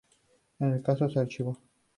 El caso se archivó.